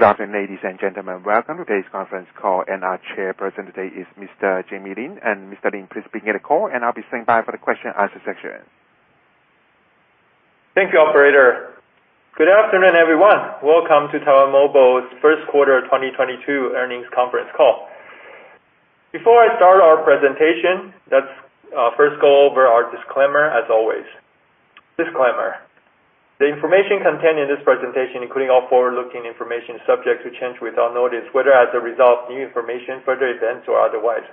Good afternoon, ladies and gentlemen. Welcome to today's conference call, and our chairperson today is Mr. Jamie Lin. Mr. Lin please begin the call, and I'll be standing by for the question and answer section. Thank you, operator. Good afternoon, everyone. Welcome to Taiwan Mobile's first quarter 2022 earnings conference call. Before I start our presentation, let's first go over our disclaimer as always. Disclaimer. The information contained in this presentation, including all forward-looking information, is subject to change without notice, whether as a result of new information, further events, or otherwise.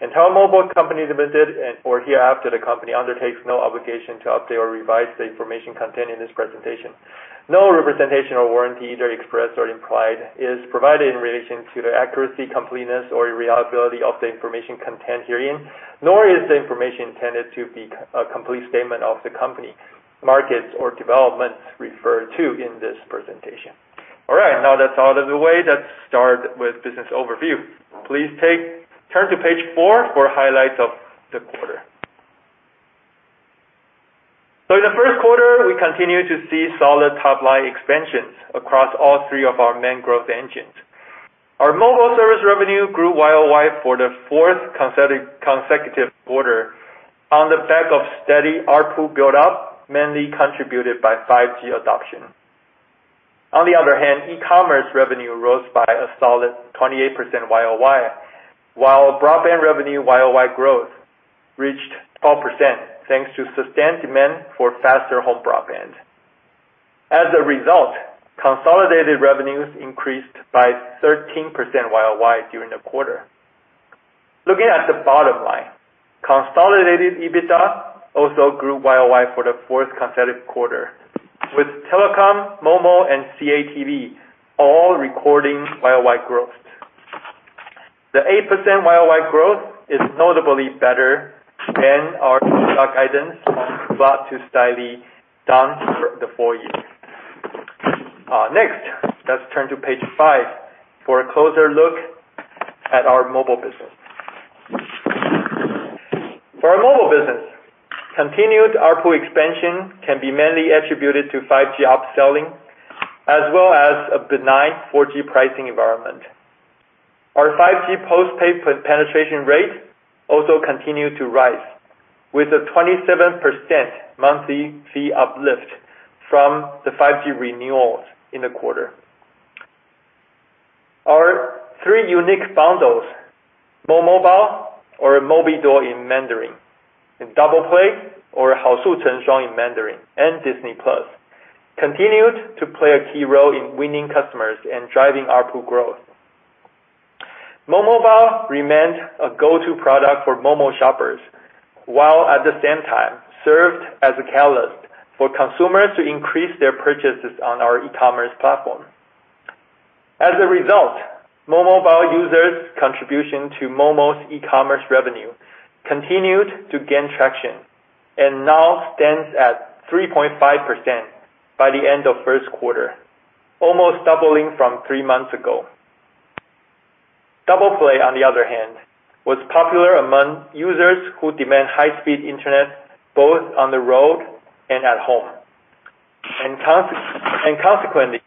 Taiwan Mobile Company Limited and/or hereafter the company undertakes no obligation to update or revise the information contained in this presentation. No representation or warranty, either expressed or implied, is provided in relation to the accuracy, completeness or reliability of the information contained herein, nor is the information intended to be a complete statement of the company, markets or developments referred to in this presentation. All right, now that's out of the way, let's start with business overview. Please turn to page four for highlights of the quarter. In the first quarter, we continued to see solid top-line expansions across all three of our main growth engines. Our mobile service revenue grew YoY for the fourth consecutive quarter on the back of steady ARPU buildup, mainly contributed by 5G adoption. On the other hand, e-commerce revenue rose by a solid 28% YoY, while broadband revenue YoY growth reached 12%, thanks to sustained demand for faster home broadband. As a result, consolidated revenues increased by 13% YoY during the quarter. Looking at the bottom line, consolidated EBITDA also grew YoY for the 4th consecutive quarter, with telecom, Momo and CATV all recording YoY growth. The 8% YoY growth is notably better than our EBITDA guidance, on plan to be slightly down for the full year. Next, let's turn to page five for a closer look at our mobile business. For our mobile business, continued ARPU expansion can be mainly attributed to 5G upselling, as well as a benign 4G pricing environment. Our 5G postpaid penetration rate also continued to rise with a 27% monthly fee uplift from the 5G renewals in the quarter. Our three unique bundles, momobile or Móbǐduō in Mandarin, and Double Play or Hao Shu Cheng Shuang in Mandarin, and Disney+, continued to play a key role in winning customers and driving ARPU growth. momobile remained a go-to product for Momo shoppers, while at the same time served as a catalyst for consumers to increase their purchases on our e-commerce platform. As a result, momobile users' contribution to Momo's e-commerce revenue continued to gain traction and now stands at 3.5% by the end of first quarter, almost doubling from three months ago. Double Play, on the other hand, was popular among users who demand high speed internet both on the road and at home. Consequently,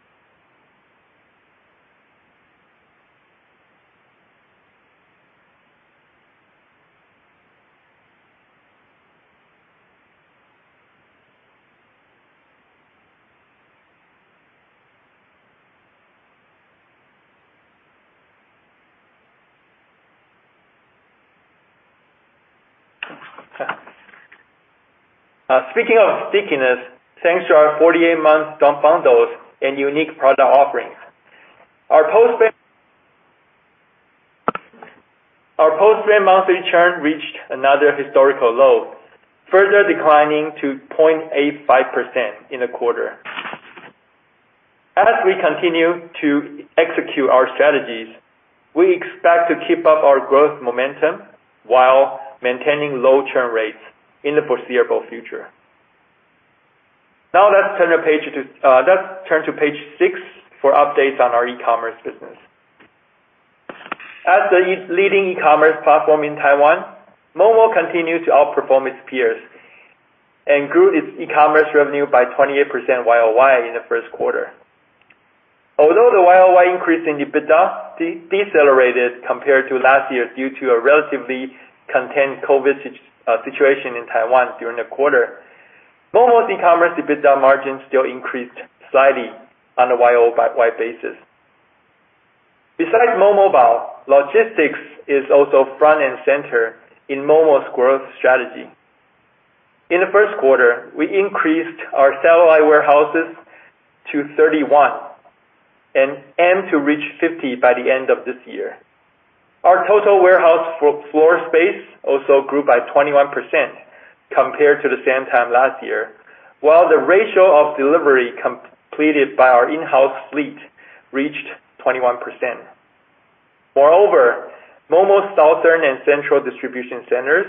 speaking of stickiness, thanks to our 48-month term bundles and unique product offerings, our postpaid monthly churn reached another historical low, further declining to 0.85% in the quarter. As we continue to execute our strategies, we expect to keep up our growth momentum while maintaining low churn rates in the foreseeable future. Now let's turn to page six for updates on our e-commerce business. As the leading e-commerce platform in Taiwan, Momo continued to outperform its peers and grew its e-commerce revenue by 28% YoY in the first quarter. Although the YoY increase in EBITDA decelerated compared to last year due to a relatively contained COVID situation in Taiwan during the quarter, Momo's e-commerce EBITDA margin still increased slightly on a YoY basis. Besides momobile, logistics is also front and center in Momo's growth strategy. In the first quarter, we increased our satellite warehouses to 31 and aim to reach 50 by the end of this year. Our total warehouse floor space also grew by 21% compared to the same time last year, while the ratio of delivery completed by our in-house fleet reached 21%. Moreover, Momo's southern and central distribution centers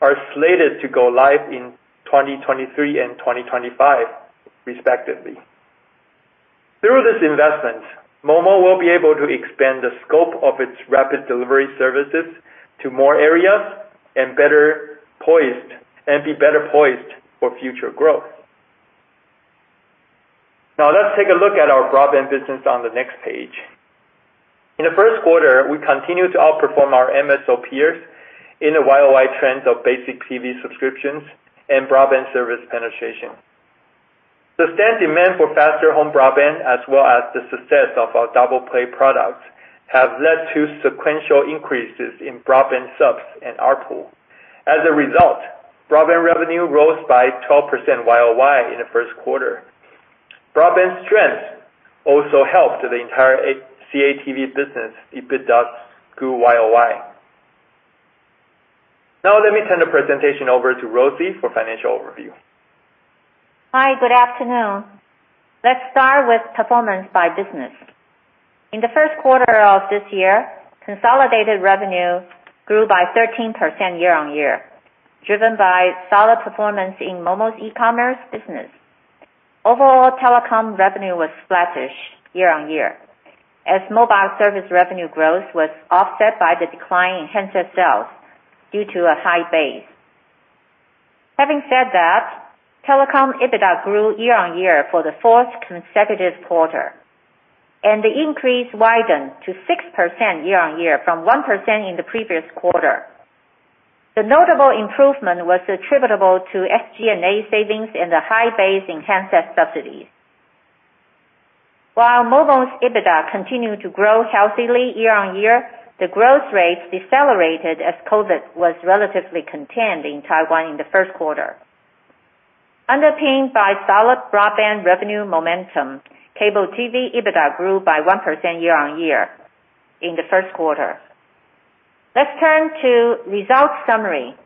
are slated to go live in 2023 and 2025 respectively. Through this investment, Momo will be able to expand the scope of its rapid delivery services to more areas and be better poised for future growth. Now let's take a look at our broadband business on the next page. In the first quarter, we continued to outperform our MSO peers in the YoY trends of basic TV subscriptions and broadband service penetration. Sustained demand for faster home broadband, as well as the success of our Double Play products, have led to sequential increases in broadband subs and ARPU. As a result, broadband revenue rose by 12% YoY in the first quarter. Broadband strength also helped the entire CATV business. EBITDA grew YoY. Now let me turn the presentation over to Rosie for financial overview. Hi. Good afternoon. Let's start with performance by business. In the first quarter of this year, consolidated revenue grew by 13% year-over-year, driven by solid performance in Momo's e-commerce business. Overall, telecom revenue was flattish year-over-year, as mobile service revenue growth was offset by the decline in handset sales due to a high base. Having said that, telecom EBITDA grew year-over-year for the 4th consecutive quarter, and the increase widened to 6% year-on-year from 1% in the previous quarter. The notable improvement was attributable to SG&A savings in the high base in handset subsidies. While Momo's EBITDA continued to grow healthily year-on-year, the growth rate decelerated as COVID was relatively contained in Taiwan in the first quarter. Underpinned by solid broadband revenue momentum, cable TV EBITDA grew by 1% year-on-year in the first quarter. Let's turn to results summary.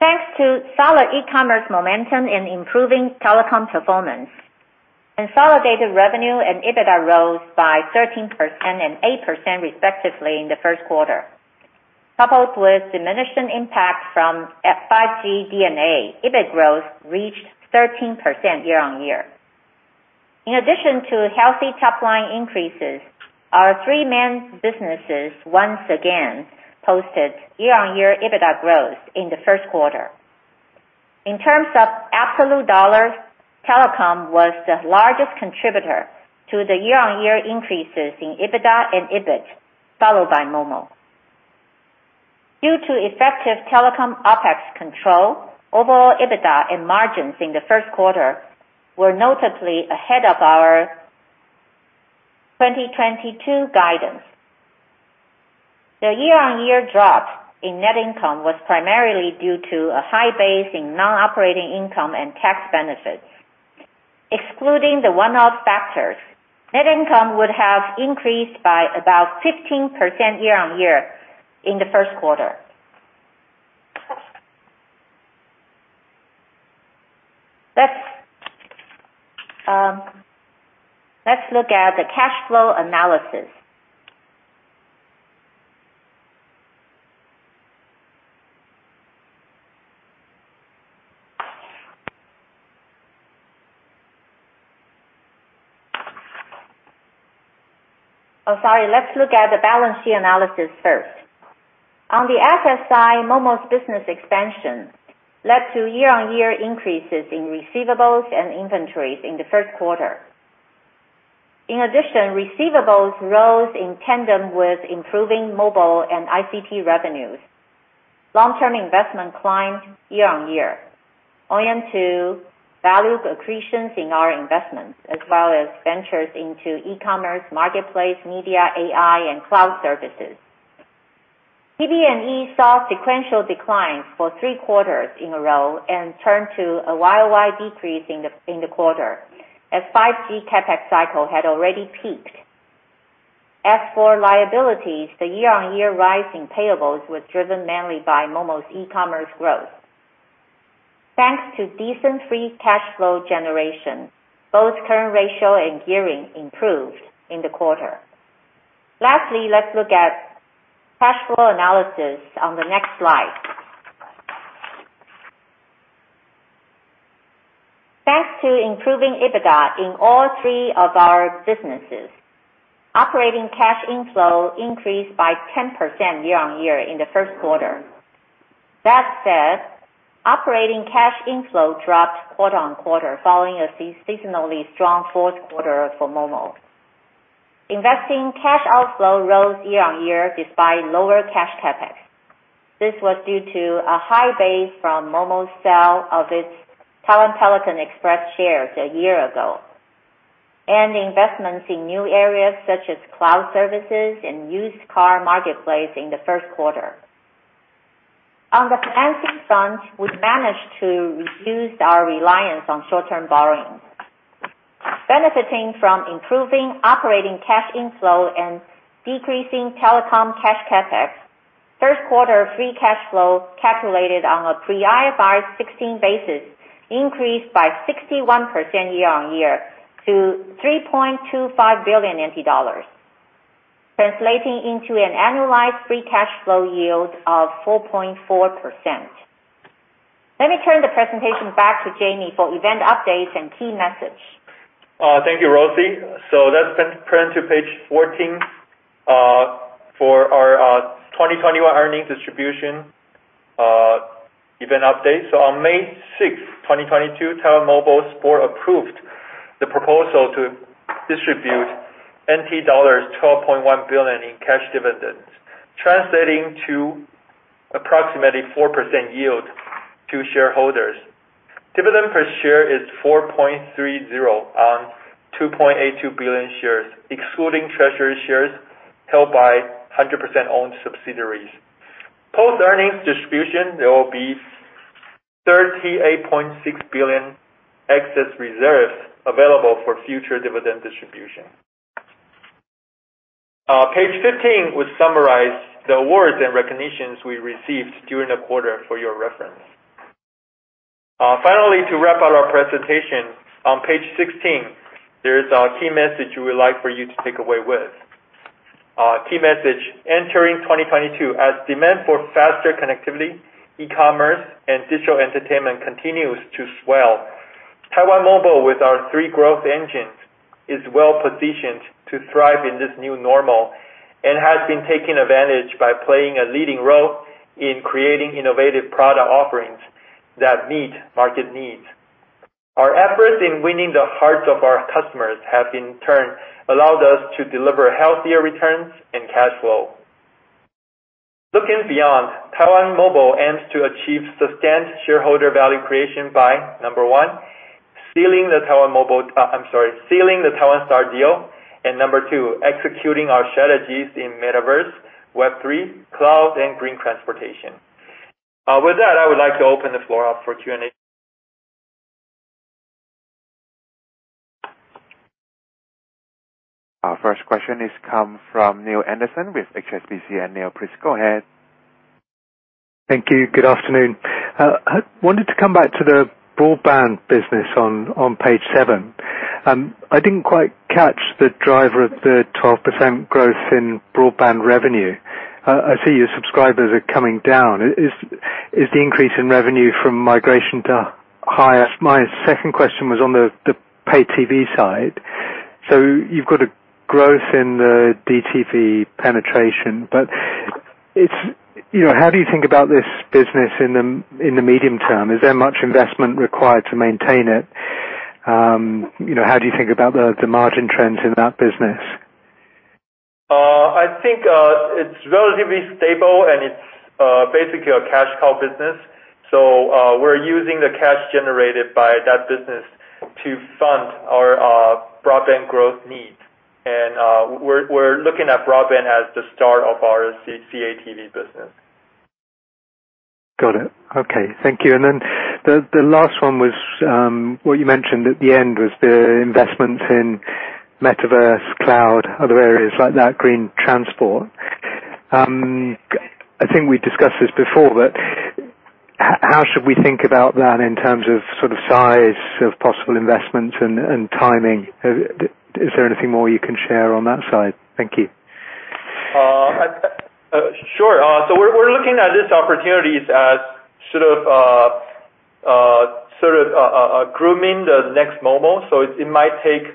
Thanks to solid e-commerce momentum and improving telecom performance, consolidated revenue and EBITDA rose by 13% and 8% respectively in the first quarter. Coupled with diminishing impact from 5G D&A, EBIT growth reached 13% year-on-year. In addition to healthy top line increases, our three main businesses once again posted year-on-year EBITDA growth in the first quarter. In terms of absolute dollars, telecom was the largest contributor to the year-on-year increases in EBITDA and EBIT, followed by Momo. Due to effective telecom OpEx control, overall EBITDA and margins in the first quarter were notably ahead of our 2022 guidance. The year-on-year drop in net income was primarily due to a high base in non-operating income and tax benefits. Excluding the one-off factors, net income would have increased by about 15% year-on-year in the first quarter. Let's look at the balance sheet analysis first. On the asset side, Momo's business expansion led to year-on-year increases in receivables and inventories in the first quarter. In addition, receivables rose in tandem with improving mobile and ICT revenues. Long-term investment climbed year-on-year owing to value accretions in our investments, as well as ventures into e-commerce, marketplace, media, AI, and cloud services. PP&E saw sequential declines for three quarters in a row and turned to a YoY decrease in the quarter as 5G CapEx cycle had already peaked. As for liabilities, the year-on-year rise in payables was driven mainly by Momo's e-commerce growth. Thanks to decent free cash flow generation, both current ratio and gearing improved in the quarter. Lastly, let's look at cash flow analysis on the next slide. Thanks to improving EBITDA in all three of our businesses, operating cash inflow increased by 10% year-on-year in the first quarter. That said, operating cash inflow dropped quarter-on-quarter following a seasonally strong fourth quarter for Momo. Investing cash outflow rose year-on-year despite lower cash CapEx. This was due to a high base from Momo's sale of its Taiwan Pelican Express shares a year ago, and investments in new areas such as cloud services and used car marketplace in the first quarter. On the financing front, we've managed to reduce our reliance on short-term borrowings. Benefiting from improving operating cash inflow and decreasing telecom cash CapEx, first quarter free cash flow calculated on a pre-IFRS 16 basis increased by 61% year-on-year to TWD 3.25 billion, translating into an annualized free cash flow yield of 4.4%. Let me turn the presentation back to Jamie for event updates and key message. Thank you, Rosie. Let's turn to page 14 for our 2021 earnings distribution event update. On May 6th, 2022, Taiwan Mobile's board approved the proposal to distribute NT dollars 12.1 billion in cash dividends, translating to approximately 4% yield to shareholders. Dividend per share is 4.30 on 2.82 billion shares, excluding treasury shares held by 100% owned subsidiaries. Post-earnings distribution, there will be 38.6 billion excess reserves available for future dividend distribution. Page 15 will summarize the awards and recognitions we received during the quarter for your reference. Finally, to wrap up our presentation, on page 16, there is our key message we would like for you to take away with. Key message, entering 2022, as demand for faster connectivity, e-commerce, and digital entertainment continues to swell, Taiwan Mobile with our three growth engines is well-positioned to thrive in this new normal and has been taking advantage by playing a leading role in creating innovative product offerings that meet market needs. Our efforts in winning the hearts of our customers have in turn allowed us to deliver healthier returns and cash flow. Looking beyond, Taiwan Mobile aims to achieve sustained shareholder value creation by, number one, sealing the Taiwan Star deal, and number two, executing our strategies in Metaverse, Web3, cloud, and green transportation. With that, I would like to open the floor up for Q&A. Our first question comes from Neale Anderson with HSBC. Neale, please go ahead. Thank you. Good afternoon. I wanted to come back to the broadband business on page seven. I didn't quite catch the driver of the 12% growth in broadband revenue. I see your subscribers are coming down. Is the increase in revenue from migration to higher? My second question was on the payTV side. You've got a growth in the DTV penetration, but you know, how do you think about this business in the medium term? Is there much investment required to maintain it? You know, how do you think about the margin trends in that business? I think it's relatively stable, and it's basically a cash cow business. We're using the cash generated by that business to fund our broadband growth needs. We're looking at broadband as the start of our CATV business. Got it. Okay. Thank you. The last one was what you mentioned at the end was the investments in Metaverse, cloud, other areas like that, green transport. I think we discussed this before, but how should we think about that in terms of sort of size of possible investments and timing? Is there anything more you can share on that side? Thank you. Sure. We're looking at these opportunities as sort of grooming the next mobile. It might take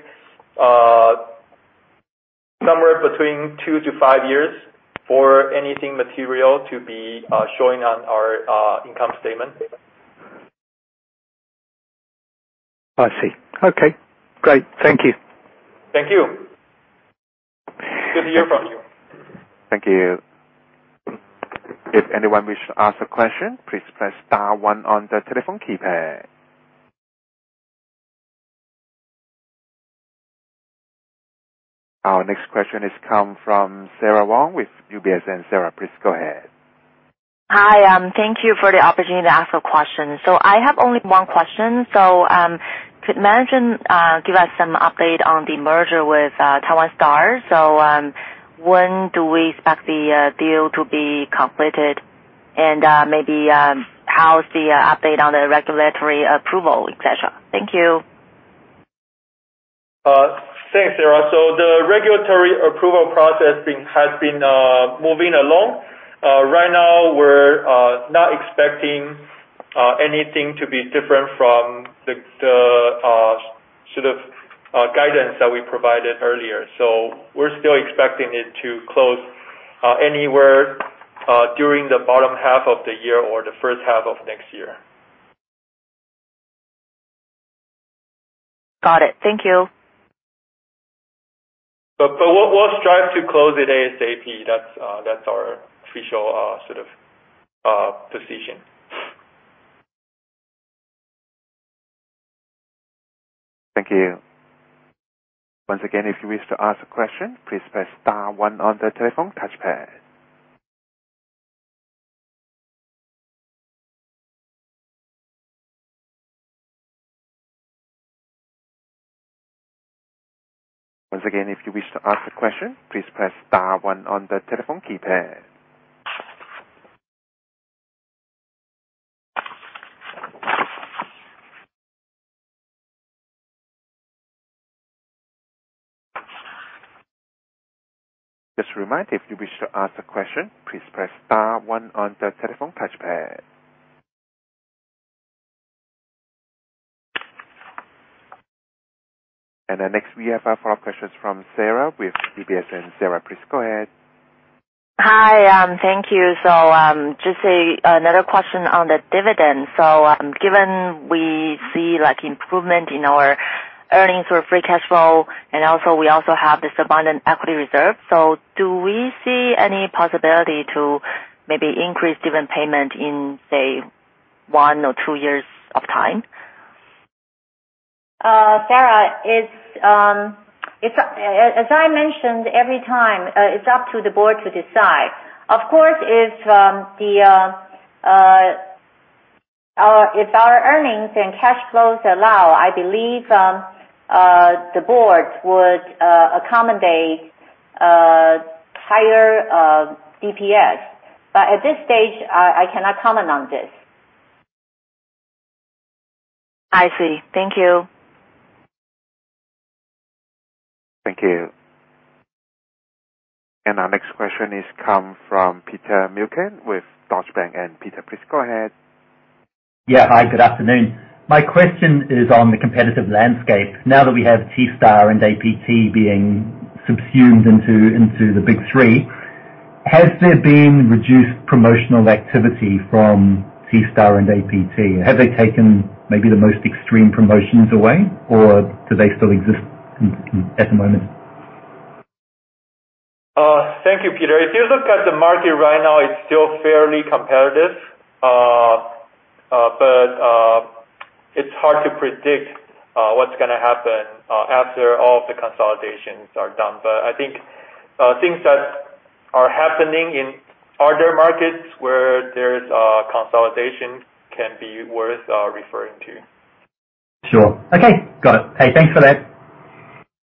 somewhere between 2-5 years for anything material to be showing on our income statement. I see. Okay. Great. Thank you. Thank you. Good to hear from you. Thank you. If anyone wish to ask a question, please press star one on the telephone keypad. Our next question comes from Sara Wang with UBS. Sara, please go ahead. Hi. Thank you for the opportunity to ask a question. I have only one question. Could management give us some update on the merger with Taiwan Star? When do we expect the deal to be completed? Maybe how is the update on the regulatory approval, et cetera? Thank you. Thanks, Sara. The regulatory approval process has been moving along. Right now we're not expecting anything to be different from the sort of guidance that we provided earlier. We're still expecting it to close anywhere during the bottom half of the year or the first half of next year. Got it. Thank you. We'll strive to close it ASAP. That's our official sort of position. Thank you. Once again, if you wish to ask a question, please press star one on the telephone touchpad. Once again, if you wish to ask a question, please press star one on the telephone keypad. Just a reminder, if you wish to ask the question, please press star one on the telephone touchpad. Next we have our follow-up questions from Sara with UBS. Sara, please go ahead. Hi. Thank you. Just another question on the dividend. Given we see like improvement in our earnings or free cash flow, and also we also have this abundant equity reserve, do we see any possibility to maybe increase dividend payment in, say, one or two years of time? Sarah, as I mentioned every time, it's up to the board to decide. Of course if our earnings and cash flows allow, I believe the board would accommodate higher DPS. At this stage, I cannot comment on this. I see. Thank you. Thank you. Our next question comes from Peter Milliken with Deutsche Bank. Peter, please go ahead. Yeah. Hi, good afternoon. My question is on the competitive landscape. Now that we have T-Star and APT being subsumed into the big three, has there been reduced promotional activity from T-Star and APT? Have they taken maybe the most extreme promotions away, or do they still exist at the moment? Thank you, Peter. If you look at the market right now, it's still fairly competitive. It's hard to predict what's gonna happen after all the consolidations are done. I think things that are happening in other markets where there's consolidation can be worth referring to. Sure. Okay. Got it. Hey, thanks for that.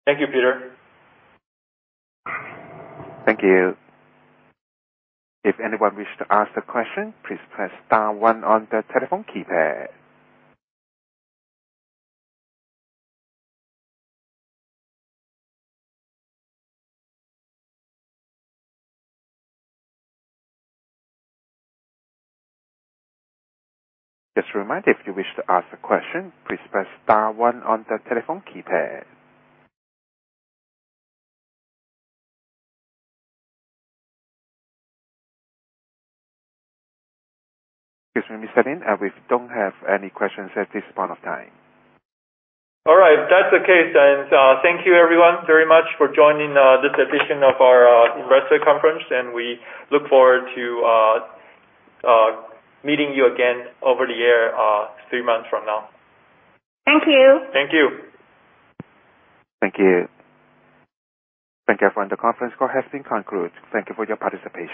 Thank you, Peter. Thank you. If anyone wish to ask the question, please press star one on the telephone keypad. Just a reminder, if you wish to ask a question, please press star one on the telephone keypad. Excuse me, Celine, we don't have any questions at this point of time. All right. If that's the case, then, thank you everyone very much for joining this edition of our investor conference, and we look forward to meeting you again over the air three months from now. Thank you. Thank you. Thank you. Thank you, everyone. The conference call has been concluded. Thank you for your participation.